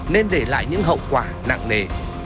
nên để lại những hậu quả nặng nề